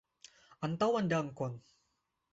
Antaŭan dankon!